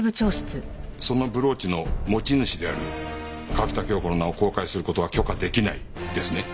そのブローチの持ち主である川喜多京子の名を公開する事は許可出来ないですね？